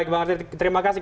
oke bang arteria terima kasih